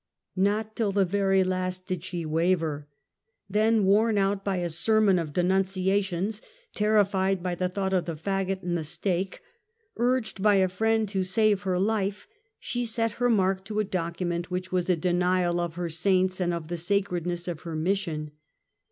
Not till the very last did she waver. Then worn out by a sermon of denunciations, terrified by the thought of the faggot and the stake, urged by a friend to save her life, she set her mark to a document which was a denial of her saints and of the sacredness of her mission.